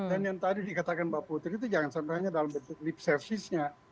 dan yang tadi dikatakan mbak putri itu jangan sampai hanya dalam bentuk lip service nya